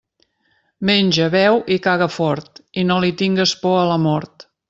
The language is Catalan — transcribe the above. Menja, beu i caga fort, i no li tingues por a la mort.